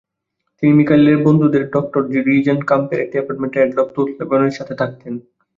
তিনি মিখাইলের বন্ধু ডক্টর রিজেনকাম্ফের একটি অ্যাপার্টমেন্টে আডলফ তোৎলেবেনের সাথে থাকতেন।